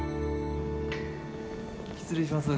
失礼します。